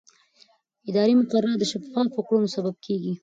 اداري مقررات د شفافو کړنو سبب کېږي.